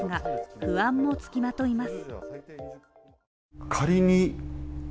不安も付きまといます。